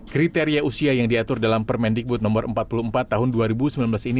kriteria usia yang diatur dalam permendikbud no empat puluh empat tahun dua ribu sembilan belas ini